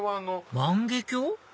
万華鏡？